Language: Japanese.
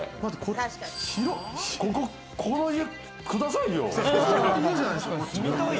この家くださいよ。